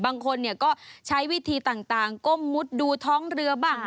บางคนก็ใช้วิธีต่างก้มมุดดูท้องเรือบ้าง